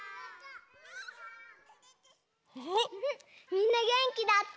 みんなげんきだって！